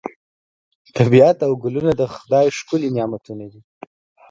طبیعت او ګلونه د خدای ښکلي نعمتونه دي.